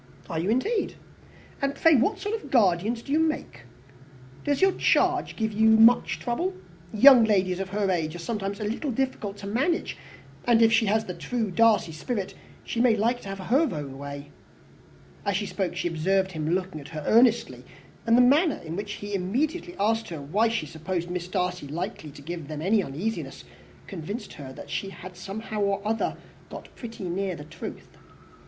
"Are you, indeed? And pray what sort of a guardian do you make? Does your charge give you much trouble? Young ladies of her age are sometimes a little difficult to manage; and if she has the true Darcy spirit, she may like to have her own way." As she spoke, she observed him looking at her earnestly; and the manner in which he immediately asked her why she supposed Miss Darcy likely to give them any uneasiness, convinced her that she had somehow or other got pretty near the truth.